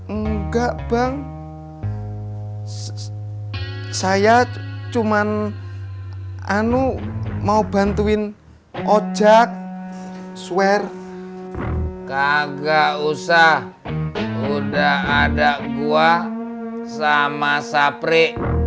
enggak bang saya cuma mau bantuin ojak sware kagak usah udah ada gua sama sapri